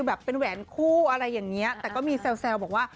แบบเป็นแหวนคู่อะไรอย่างนี้แต่ก็มีแซวบอกว่า